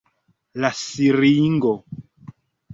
La siringo.